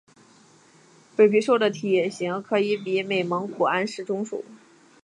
伟鬣兽的体型可以比美蒙古安氏中兽。